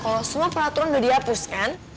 kalau semua peraturan udah dihapus kan